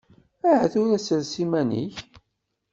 Aha tura sres iman-ik!